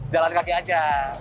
jalan kaki aja